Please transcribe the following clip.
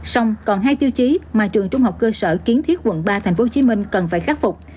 xong còn hai tiêu chí mà trường trung học cơ sở kiến thiết quận ba tp hcm cần phải khắc phục